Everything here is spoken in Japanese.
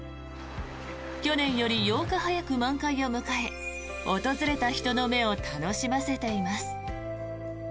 去年より８日早く満開を迎え訪れた人の目を楽しませています。